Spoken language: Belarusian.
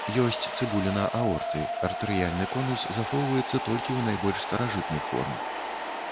Ёсць цыбуліна аорты, артэрыяльны конус захоўваецца толькі ў найбольш старажытных форм.